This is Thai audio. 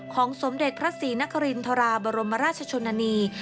สมเด็จพระศรีนครินทราบรมราชชนนานี